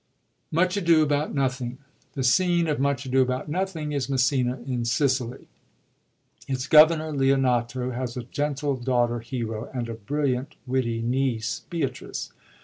Much Ado About Nothing. — The scene of MtLch Ado About Nothing is Messina, in Sicily. Its governor, Leonato, has a gentle daughter. Hero, and a brilliant, witty niece, Beatrice.